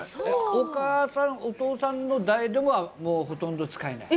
お母さんお父さんの代ではもうほとんど使えない。